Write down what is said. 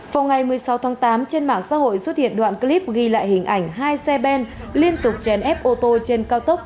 vào ngày một mươi sáu tháng tám trên mạng xã hội xuất hiện đoạn clip ghi lại hình ảnh hai xe ben liên tục chèn ép ô tô trên cao tốc